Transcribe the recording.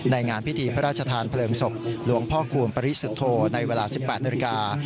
งานพิธีพระราชทานเพลิงศพหลวงพ่อคูณปริสุทธโธในเวลา๑๘นาฬิกา